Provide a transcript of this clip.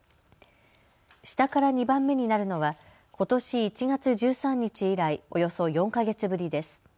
下から２番目になるのはことし１月１３日以来、およそ４か月ぶりです。